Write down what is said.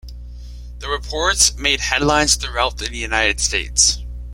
The reports made headlines throughout the United States.